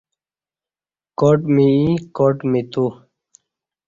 کاٹ می یں کاٹ می تو